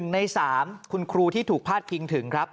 ใน๓คุณครูที่ถูกพาดพิงถึงครับ